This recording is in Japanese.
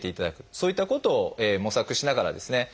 そういったことを模索しながらですね